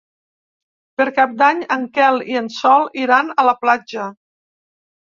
Per Cap d'Any en Quel i en Sol iran a la platja.